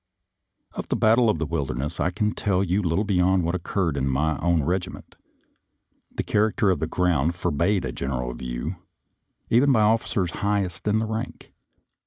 Of the battle of the Wilderness I can tell you little beyond what occurred in my own regi ment; the character of the ground forbade a general view, even by officers highest in rank.